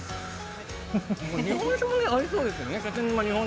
日本酒に合いそうですよね。